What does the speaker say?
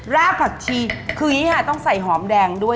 ราพักชีคือนี้ค่ะต้องใส่หอมแดงด้วย